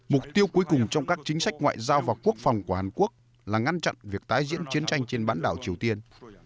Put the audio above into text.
mục tiêu cuối cùng trong các chính sách ngoại giao và quốc phòng của hàn quốc là ngăn chặn việc tái diễn chiến tranh trên bán đảo triều tiên